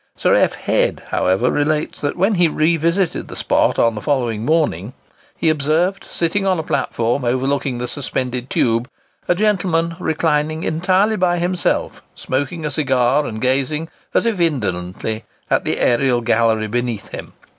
Sir F. Head, however relates, that when he revisited the spot on the following morning, he observed, sitting on a platform overlooking the suspended tube, a gentleman, reclining entirely by himself, smoking a cigar, and gazing, as if indolently, at the aërial gallery beneath him.